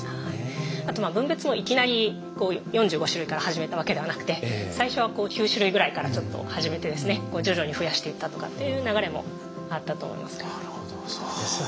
あと分別もいきなり４５種類から始めたわけではなくて最初は９種類ぐらいからちょっと始めてですね徐々に増やしていったとかっていう流れもあったと思います。